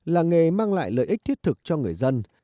làng nghề mang lại lợi ích thiết thực cho người dân